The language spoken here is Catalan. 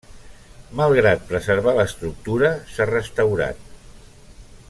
Malgrat preservar l’estructura, s’ha restaurat.